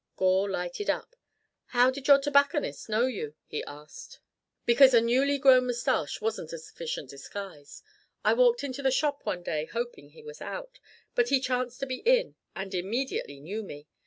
Gore lighted up. "How did your tobacconist know you?" he asked. "Because a newly grown mustache wasn't a sufficient disguise. I walked into the shop one day hoping he was out. But he chanced to be in, and immediately knew me.